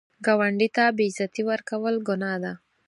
ګاونډي ته بې عزتي ورکول ګناه ده